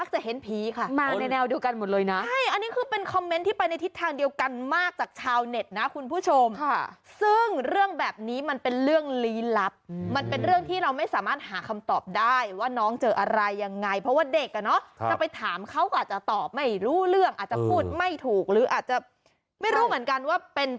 จะเห็นผีค่ะมาในแนวเดียวกันหมดเลยนะใช่อันนี้คือเป็นคอมเมนต์ที่ไปในทิศทางเดียวกันมากจากชาวเน็ตนะคุณผู้ชมค่ะซึ่งเรื่องแบบนี้มันเป็นเรื่องลี้ลับมันเป็นเรื่องที่เราไม่สามารถหาคำตอบได้ว่าน้องเจออะไรยังไงเพราะว่าเด็กอ่ะเนาะจะไปถามเขาก็อาจจะตอบไม่รู้เรื่องอาจจะพูดไม่ถูกหรืออาจจะไม่รู้เหมือนกันว่าเป็น